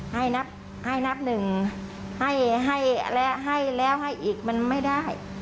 ให้นับหนึ่งให้แล้วให้อีกมันไม่ได้